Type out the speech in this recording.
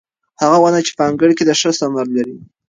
هغه ونه چې په انګړ کې ده ښه ثمر لري.